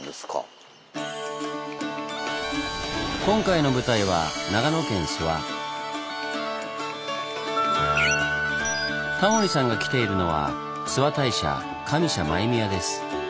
今回の舞台はタモリさんが来ているのは諏訪大社上社前宮です。